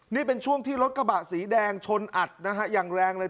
นี่เป็นช่วงที่รถกระบะสีแดงชนอัดนะฮะอย่างแรงเลย